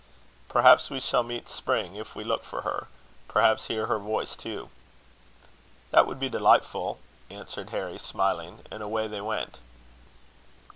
"Perhaps we shall meet Spring, if we look for her perhaps hear her voice, too." "That would be delightful," answered Harry, smiling. And away they went.